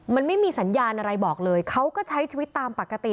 มันไม่มีสัญญาณอะไรบอกเลยเขาก็ใช้ชีวิตตามปกติ